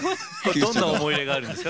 どんな思い入れがあるんですか？